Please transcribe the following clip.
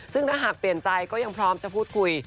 ซึ่งถ้าหากเปลี่ยนใจก็ยังพร้อมจะพูดคุย